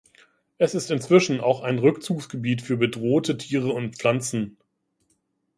Es ist inzwischen auch ein Rückzugsgebiet für bedrohte Tiere und Pflanzen.